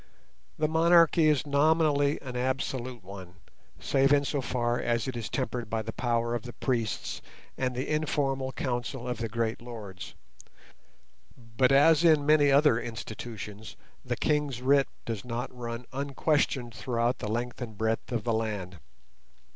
The monarchy is nominally an absolute one, save in so far as it is tempered by the power of the priests and the informal council of the great lords; but, as in many other institutions, the king's writ does not run unquestioned throughout the length and breadth of the land.